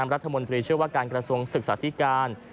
รัฐมนตรีเชื่อว่าการกระทรวงศึกษาธิการ